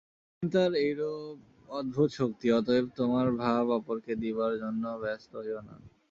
চিন্তার এইরূপ অদ্ভুত শক্তি! অতএব তোমার ভাব অপরকে দিবার জন্য ব্যস্ত হইও না।